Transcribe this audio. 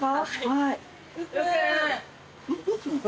はい！